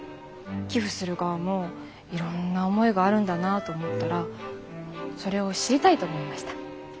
寄付する側もいろんな思いがあるんだなと思ったらそれを知りたいと思いました。